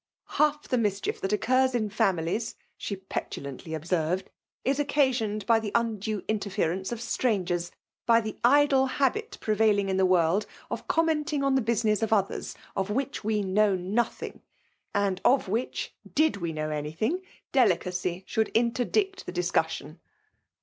" Half the mischief that occurs in families/' she petulantly observed, *' is occasioned by the undue interference of strangers; by the idle habit prevailing in the world of commenting on the business of others, of wliich we know nothing, and of which, did we know anything, delicacy should interdict the discussion.